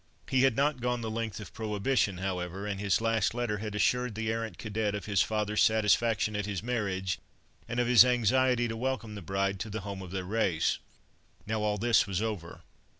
He had not gone the length of prohibition, however, and his last letter had assured the errant cadet of his father's satisfaction at his marriage, and of his anxiety to welcome the bride to the home of their race. Now all this was over.